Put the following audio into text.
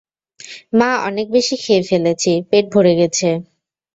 মা, অনেক বেশী খেয়ে ফেলেছি, পেট ভরে গেছে।